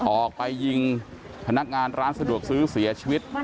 ออกไปยิงพนักงานร้านสะดวกซื้อเสียชีวิต